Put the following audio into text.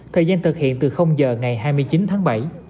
thời gian thực hiện từ giờ ngày hai mươi chín tháng bảy